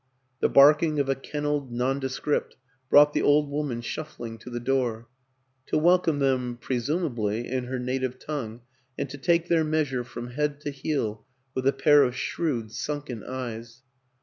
The barking of a kenneled nondescript brought the old woman shuffling to the door to wel come them (presumably) in her native tongue and to take their measure from head to heel with a pair of shrewd, sunken eyes.